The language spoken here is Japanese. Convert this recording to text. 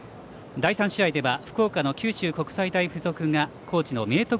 第３試合では福岡の九州国際大付属が高知の明徳